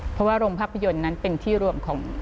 เพราะว่าโรงภาพยนตร์นั้นเป็นที่รวมของ